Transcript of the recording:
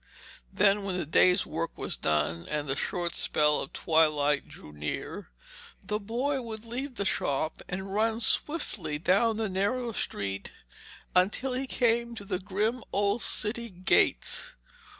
Then when the day's work was done and the short spell of twilight drew near, the boy would leave the shop and run swiftly down the narrow street until he came to the grim old city gates.